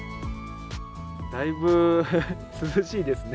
だいぶ涼しいですね。